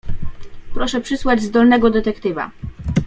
Proszę przysłać zdolnego detektywa.